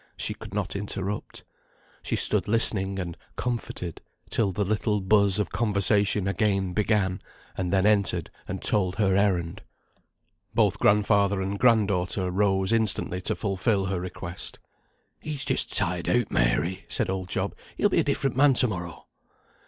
She could not interrupt. She stood listening and "comforted," till the little buzz of conversation again began, and then entered and told her errand. Both grandfather and grand daughter rose instantly to fulfil her request. "He's just tired out, Mary," said old Job. "He'll be a different man to morrow."